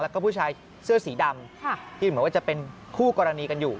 แล้วก็ผู้ชายเสื้อสีดำที่เหมือนว่าจะเป็นคู่กรณีกันอยู่